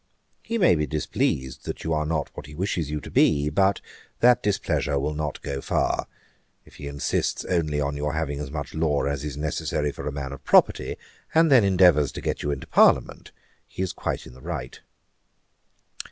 He may be displeased that you are not what he wishes you to be; but that displeasure will not go far. If he insists only on your having as much law as is necessary for a man of property, and then endeavours to get you into Parliament, he is quite in the right.'